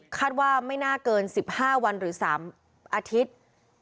คาดว่าไม่น่าเกิน๑๕วันหรือ๓อาทิตย์